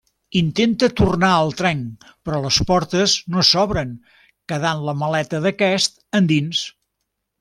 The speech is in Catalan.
Intenta tornar al tren però les portes no s'obren, quedant la maleta d'aquest endins.